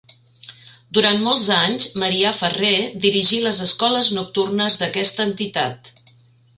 Durant molts anys Marià Ferrer dirigí les escoles nocturnes d'aquesta entitat.